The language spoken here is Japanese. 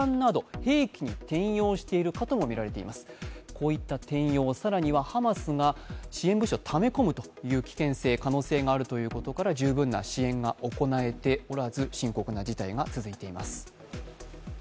こういった転用、更にはハマスが支援物資をため込むという危険性、可能性があるということから、十分な支援が行われておらず深刻な事態が続いています。